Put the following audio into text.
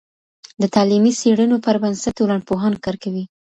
د تعلیمي څیړنو پر بنسټ ټولنپوهان کار کوي.